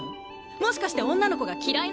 もしかして女の子が嫌いなの？